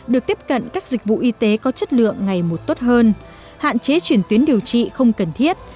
được tiếp cận các dịch vụ y tế có chất lượng ngày một tốt hơn hạn chế chuyển tuyến điều trị không cần thiết